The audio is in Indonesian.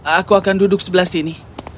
aku akan duduk sebelah sini